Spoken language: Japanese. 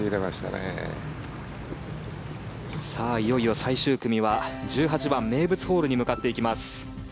いよいよ最終組は１８番、名物ホールに向かっていきます。